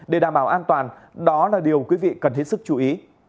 để đảm bảo an toàn đó là điều quý vị cần hết sức chú ý